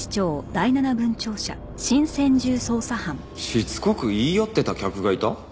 しつこく言い寄ってた客がいた？